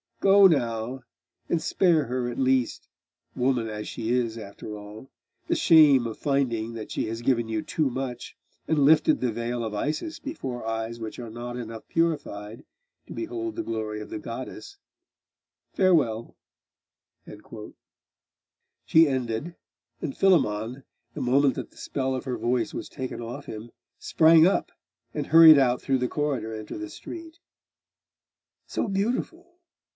Go now, and spare her at least woman as she is after all the shame of finding that she has given you too much, and lifted the veil of Isis before eyes which are not enough purified to behold the glory of the goddess. Farewell!' She ended: and Philammon, the moment that the spell of her voice was taken off him, sprang up, and hurried out through the corridor into the street.... So beautiful!